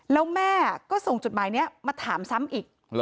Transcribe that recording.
แล้วแม่ก็ส่งจดหมายนี้มาถามซ้ำอีก